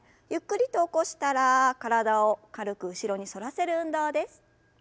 ゆっくりと起こしたら体を軽く後ろに反らせる運動です。